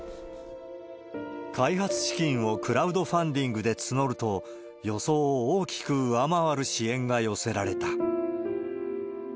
開発資金をクラウドファンディングで募ると、予想を大きく上回る支援が寄せられた。